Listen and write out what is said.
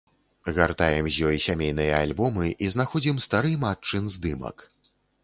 Гартаем з ёй сямейныя альбомы і знаходзім стары матчын здымак.